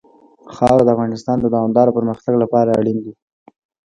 خاوره د افغانستان د دوامداره پرمختګ لپاره اړین دي.